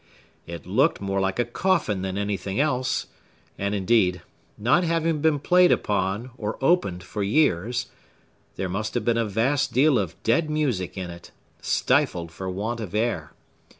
It looked more like a coffin than anything else; and, indeed,—not having been played upon, or opened, for years,—there must have been a vast deal of dead music in it, stifled for want of air.